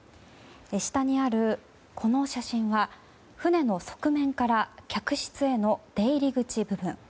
下にある、この写真は船の側面から客室への出入り口部分。